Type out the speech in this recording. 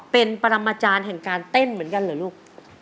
เป็นปรมาจารย์แห่งการเต้นเหมือนกันเหรอลูก